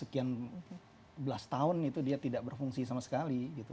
sekian belas tahun itu dia tidak berfungsi sama sekali gitu